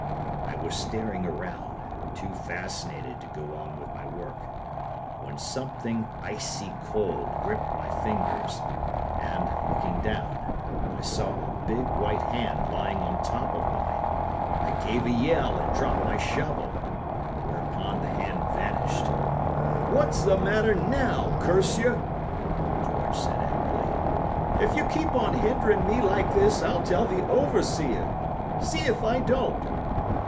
I was staring around, too fascinated to go on with my work, when something icy cold gripped my fingers, and, looking down, I saw a big, white hand lying on the top of mine. I gave a yell and dropped my shovel—whereupon the hand vanished. "'What's the matter now, curse you!' George said angrily. 'If you keep on hindering me like this, I'll tell the overseer. See if I don't.